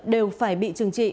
đều phải bị trừng trị